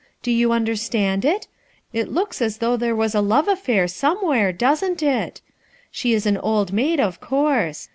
Do you understand it? It looks as though there was a love affair, somewhere, doesn't it? She is an old maid, of course.